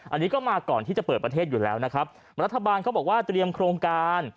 อันนี้ก็มาก่อนที่จะเปิดประเทศอยู่แล้วนะครับรัฐบาลเขาบอกว่าเตรียมโครงการ